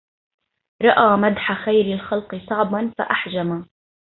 رأى مدح خير الخلق صعبا فأحجما